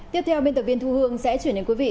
tiếp theo biên tập viên thu hương sẽ chuyển đến quý vị